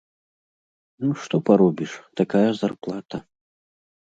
Ну што паробіш, такая зарплата!